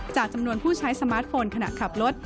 จำนวนผู้ใช้สมาร์ทโฟนขณะขับรถ